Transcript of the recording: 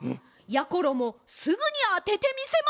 やころもすぐにあててみせます。